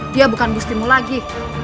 dia bukan gustimu lagi